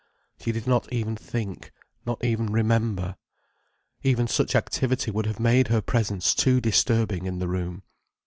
She did not even think, not even remember. Even such activity would have made her presence too disturbing in the room.